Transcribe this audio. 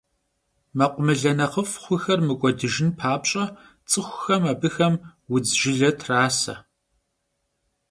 Mekhumıle nexhıf' xhuxer mık'uedıjjın papş'e, ts'ıxuxem abıxem vudz jjıle trase.